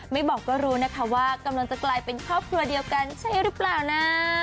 ไม่บอกก็รู้นะคะว่ากำลังจะกลายเป็นครอบครัวเดียวกันใช่หรือเปล่านะ